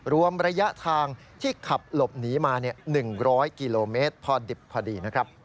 รวมระยะทางที่ขับหลบหนีมา๑๐๐กิโลเมตรพอดี